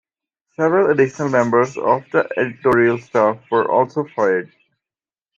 Several additional members of the editorial staff were also fired.